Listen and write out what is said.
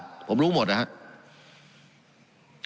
การปรับปรุงทางพื้นฐานสนามบิน